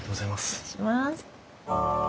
失礼します。